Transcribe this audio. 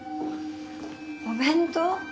お弁当？